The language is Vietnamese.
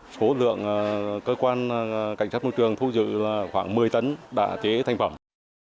số lượng cơ quan cảnh sát môi trường thu giữ là khoảng một mươi tấn đã chế thành phẩm